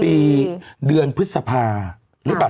เดือนพฤษภาหรือเปล่า